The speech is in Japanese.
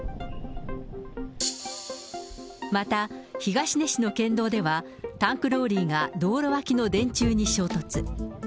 また東根市の県道ではタンクローリーが道路脇の電柱に衝突。